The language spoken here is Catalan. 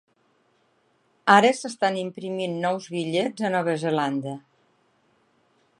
Ara s'estan imprimint nous bitllets a Nova Zelanda.